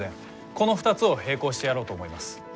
この２つを並行してやろうと思います。